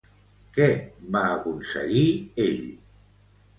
Què va aconseguir ell?